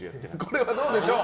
これはどうでしょう？